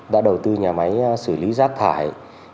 đã đầu tư nhà máy xử lý rác thải